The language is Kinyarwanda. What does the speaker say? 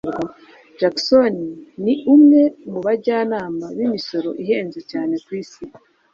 Jackson ni umwe mu bajyanama b'imisoro ihenze cyane ku isi.